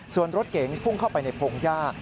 ส่วนรถเก๋งพุ่งเข้าไปในพงหญ้า